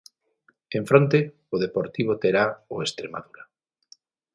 En fronte, o Deportivo terá o Estremadura.